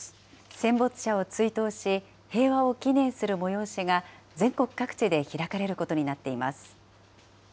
戦没者を追悼し、平和を祈念する催しが全国各地で開かれることになっています。